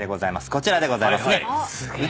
こちらでございます。